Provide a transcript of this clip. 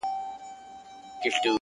ميئن د كلي پر انجونو يمه،